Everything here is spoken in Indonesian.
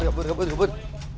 kabut kabut kabut